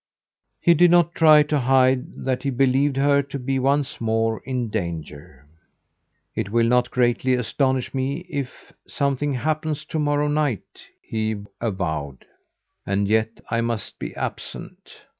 He did not try to hide that he believed her to be once more in danger. 'It will not greatly astonish me if something happens to morrow night,' he avowed, 'and yet I must be absent.